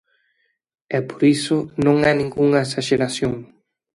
E por iso non é ningunha exaxeración.